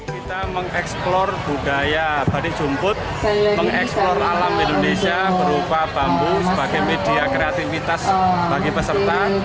kita mengeksplor budaya batik jumput mengeksplor alam indonesia berupa bambu sebagai media kreativitas bagi peserta